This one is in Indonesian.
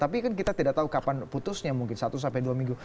tapi kan kita tidak tahu kapan putusnya mungkin satu sampai dua minggu